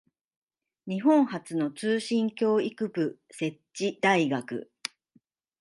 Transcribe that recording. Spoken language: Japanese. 日本初の通信教育部設置大学